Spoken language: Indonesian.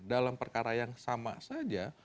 dalam perkara yang sama saja